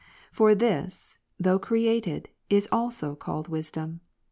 For this, though created, is also called wisdom.